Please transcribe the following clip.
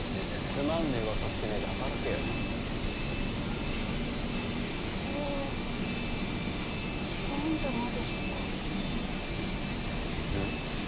つまんねえうわさしてねえで働けよそれは違うんじゃないでしょうかん？